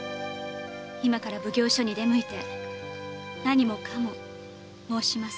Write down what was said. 今から奉行所に出向いて何もかも申します。